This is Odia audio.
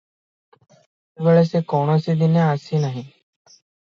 ଏତେବେଳେ ସେ କୌଣସି ଦିନ ଆସେ ନାହିଁ ।